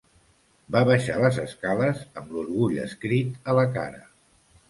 Va baixar les escales amb l'orgull escrit a la cara.